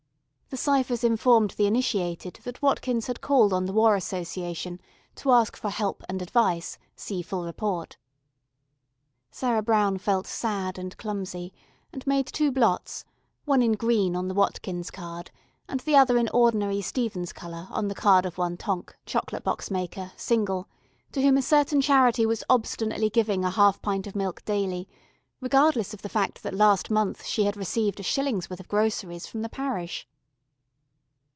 The ciphers informed the initiated that Watkins had called on the War Association, to ask for Help and Advice, See Full Report. Sarah Brown felt sad and clumsy, and made two blots, one in green on the Watkins card, and the other in ordinary Stephens colour on the card of one Tonk, chocolate box maker, single, to whom a certain charity was obstinately giving a half pint of milk daily, regardless of the fact that last month she had received a shilling's worth of groceries from the Parish.